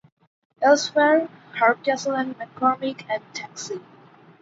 Elsewhere", "Hardcastle and McCormick", and "Taxi".